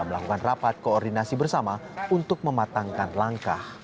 melakukan rapat koordinasi bersama untuk mematangkan langkah